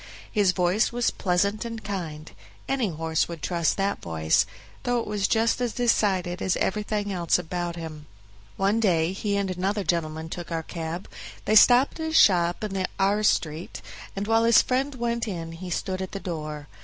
His voice was pleasant and kind; any horse would trust that voice, though it was just as decided as everything else about him. One day he and another gentleman took our cab; they stopped at a shop in R Street, and while his friend went in he stood at the door.